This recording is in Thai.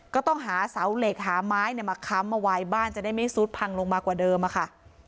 ก็ต้องหาเสาเหล็กหาไม้มาค้ำเอาไว้บ้านจะได้ไม่ซุดพังลงมากว่าเดิมอะค่ะ